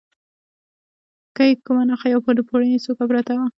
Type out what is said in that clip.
که یې کومه نخښه یا د پوړني څوکه پرته وه.